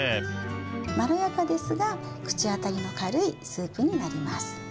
まろやかですが、口当たりの軽いスープになります。